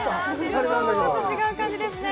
予想とちょっと違う感じですね